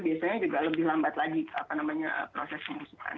biasanya juga lebih lambat lagi proses pemusuhan